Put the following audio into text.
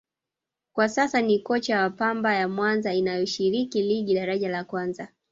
kwa sasa ni kocha wa Pamba ya Mwanza inayoshiriki Ligi Daraja La Kwanza